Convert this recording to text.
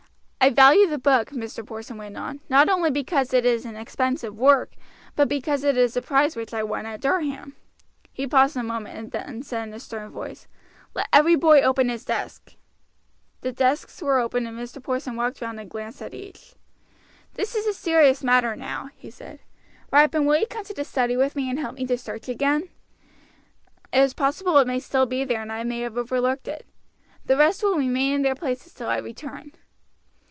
"I value the book," Mr. Porson went on, "not only because it is an expensive work, but because it is a prize which I won at Durham." He paused a moment, and then said in a stern voice: "Let every boy open his desk." The desks were opened, and Mr. Porson walked round and glanced at each. "This is a serious matter now," he said. "Ripon, will you come to the study with me and help me to search again. It is possible it may still be there and I may have overlooked it. The rest will remain in their places till I return."